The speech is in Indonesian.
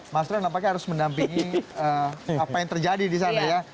mas ren nampaknya harus mendampingi apa yang terjadi di sana ya